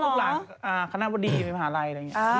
ลูกหลานคณะบดีมหาลัยอะไรอย่างนี้